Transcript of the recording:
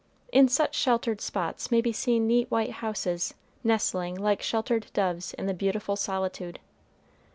In such sheltered spots may be seen neat white houses, nestling like sheltered doves in the beautiful solitude.